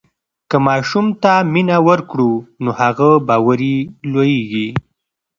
که ماشوم ته مینه ورکړو نو هغه باوري لویېږي.